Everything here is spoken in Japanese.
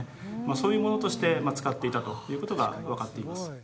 そういうものとして使っていたということが分かっています